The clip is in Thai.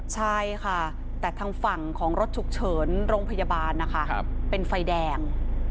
ใช่ค่ะแต่ทางฝั่งของรถฉุกเฉินโรงพยาบาลนะคะเป็นไฟแดง